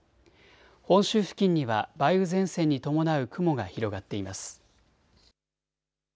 本州付近には梅雨前線に伴う雲が広がっています。